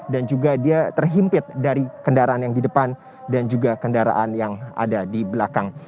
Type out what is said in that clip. dan juga dia terhimpit dari kendaraan yang di depan dan juga kendaraan yang ada di belakang